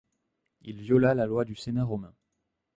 Il viola la loi du Sénat romain.